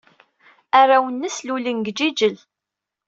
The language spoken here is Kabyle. Arraw-nnes lulen deg Ǧiǧel.